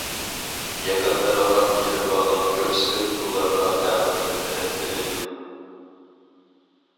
يېقىنلىرىغا مېھرىبانلىق كۆرسىتىپ، ئۇلارغا تەڭرىدىن مەدەت تىلەيدۇ.